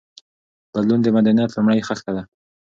بدلون د مدنيت لومړۍ خښته ده.